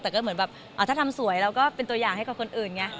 แต่ก็เหมือนแบบถ้าทำสวยเราก็เป็นตัวอย่างให้กับคนอื่นไง